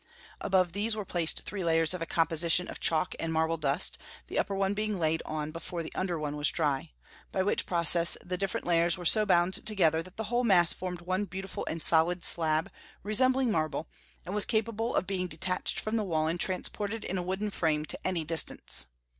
Above these were placed three layers of a composition of chalk and marble dust, the upper one being laid on before the under one was dry; by which process the different layers were so bound together that the whole mass formed one beautiful and solid slab, resembling marble, and was capable of being detached from the wall and transported in a wooden frame to any distance.